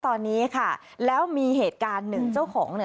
ตอนนี้ค่ะแล้วมีเหตุการณ์หนึ่ง